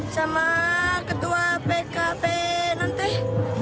sama ketua pkp nanteh